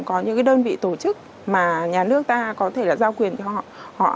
có những đơn vị tổ chức mà nhà nước ta có thể giao quyền cho họ